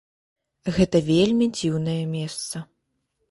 Гэта вельмі дзіўнае месца.